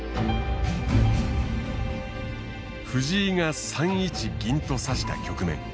藤井が３一銀と指した局面。